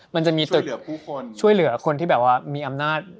มันจะมีตึกช่วยเหลือคนที่แบบว่ามีอำนาจ